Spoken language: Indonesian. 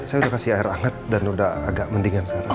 saya udah kasih air hangat dan udah agak mendingan sekarang